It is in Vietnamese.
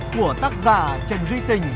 của tác giả trần duy tình